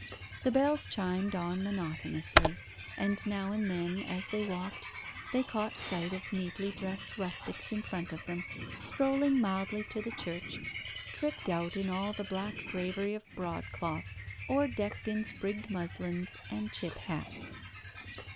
The bells chimed on monotonously; and now and then, as they walked, they caught sight of neatly dressed rustics in front of them, strolling mildly to the church, tricked out in all the black bravery of broadcloth, or decked in sprigged muslins and chip hats.